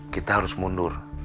kita harus mundur